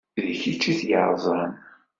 D kečč i t-yeṛẓan.